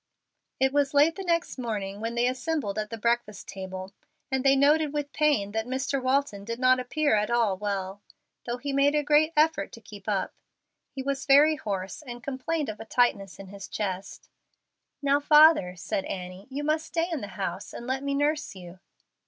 It was late the next morning when they assembled at the breakfast table, and they noted with pain that Mr. Walton did not appear at all well, though he made a great effort to keep up. He was very hoarse, and complained of a tightness in his chest. "Now, father," said Annie, "you must stay in the house, and let me nurse you."